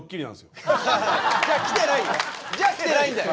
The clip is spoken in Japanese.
・じゃあ来てないよ。